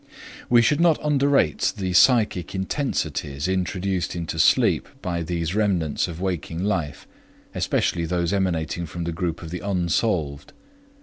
We should not underrate the psychic intensities introduced into sleep by these remnants of waking life, especially those emanating from the group of the unsolved.